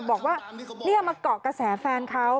บอกว่านี่มาเกาะกระแสแฟนเขา